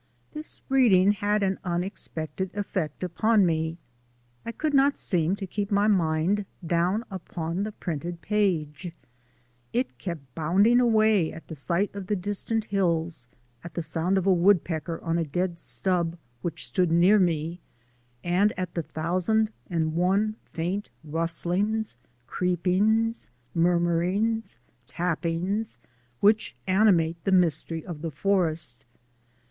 This reading had an unexpected effect upon me. I could not seem to keep my mind down upon the printed page; it kept bounding away at the sight of the distant hills, at the sound of a woodpecker on a dead stub which stood near me, and at the thousand and one faint rustlings, creepings, murmurings, tappings, which animate the mystery of the forest.